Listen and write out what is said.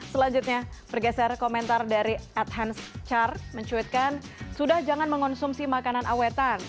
selanjutnya bergeser komentar dari adhanst char mencuitkan sudah jangan mengonsumsi makanan awetan